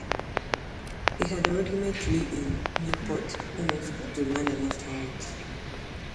He had already met Lee in Newport who moved to London afterwards.